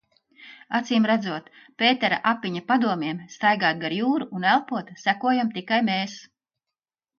Acīmredzot, Pētera Apiņa padomiem staigāt gar jūru un elpot sekojam tikai mēs.